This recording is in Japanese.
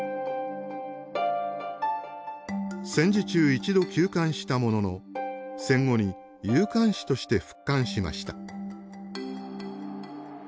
戦時中一度休刊したものの戦後に夕刊紙として復刊しました。